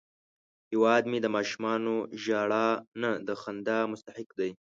هیواد مې د ماشومانو ژړا نه، د خندا مستحق دی